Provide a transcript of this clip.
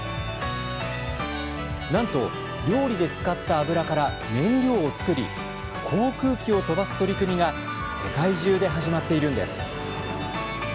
なんと料理で使った油から燃料をつくり航空機を飛ばす取り組みが世界中で始まっているんです。